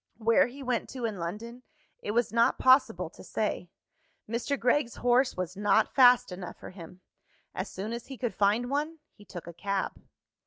Where he went to in London, it was not possible to say. Mr. Gregg's horse was not fast enough for him. As soon as he could find one, he took a cab.